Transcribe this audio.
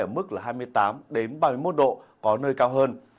ở mức hai mươi tám ba mươi một độ có nơi cao hơn